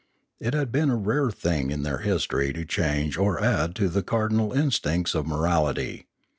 It had been a rare thing in their history to change or add to the cardinal instincts of morality.